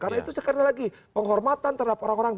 karena itu sekali lagi penghormatan terhadap orang orang